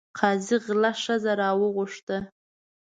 قاضي غله ښځه راوغوښته.